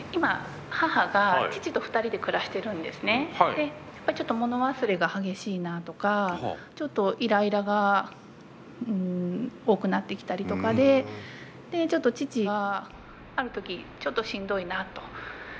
でやっぱりちょっと物忘れが激しいなとかちょっとイライラが多くなってきたりとかでちょっと父がある時ちょっとしんどいなと。